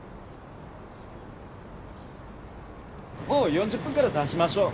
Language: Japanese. ４０分から出しましょう。